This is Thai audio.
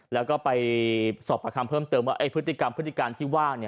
แล้วก็ไปสอบประคำเพิ่มเติมว่าพฤติกรรมพฤติการที่ว่า